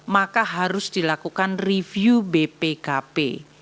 maka harus dilakukan review bpkp